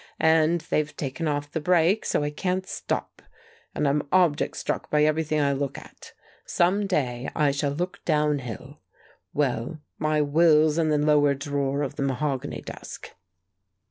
And they've taken off the brake, so I can't stop. And I'm object struck by everything I look at. Some day I shall look down hill. Well, my will's in the lower drawer of the mahogany desk."